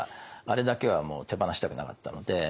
あれだけはもう手放したくなかったので。